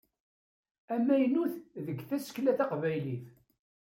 Amaynut deg tasekla Taqbaylit.